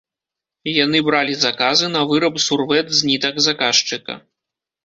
Яны бралі заказы на выраб сурвэт з нітак заказчыка.